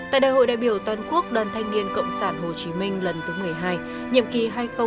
tại đại hội đại biểu toàn quốc đoàn thanh niên cộng sản hồ chí minh lần thứ một mươi hai nhiệm kỳ hai nghìn một mươi chín hai nghìn hai mươi tám